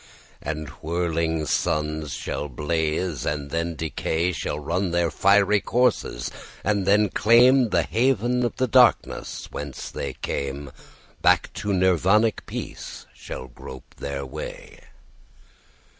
And whirling suns shall blaze and then decay, Shall run their fiery courses and then claimThe haven of the darkness whence they came; Back to Nirvanic peace shall grope their way.